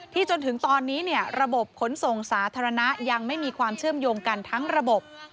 จนถึงตอนนี้ระบบขนส่งสาธารณะยังไม่มีความเชื่อมโยงกันทั้งระบบ